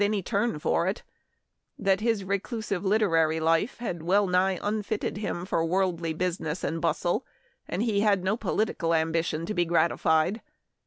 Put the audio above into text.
any turn for it ; that his recluse literary life had well nigh unfitted him for worldly business and bustle, and he had no political ambition to be gratified.